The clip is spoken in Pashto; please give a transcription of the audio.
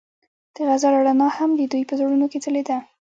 د غزل رڼا هم د دوی په زړونو کې ځلېده.